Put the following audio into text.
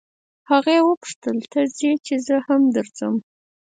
هغې وپوښتل ته ځې چې زه هم درځم.